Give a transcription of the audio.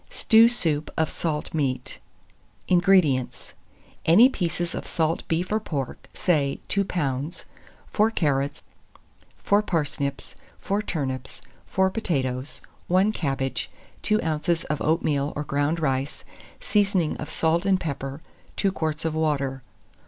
STEW SOUP OF SALT MEAT. 185. INGREDIENTS. Any pieces of salt beef or pork, say 2 lbs.; 4 carrots, 4 parsnips, 4 turnips, 4 potatoes, 1 cabbage, 2 oz. of oatmeal or ground rice, seasoning of salt and pepper, 2 quarts of water.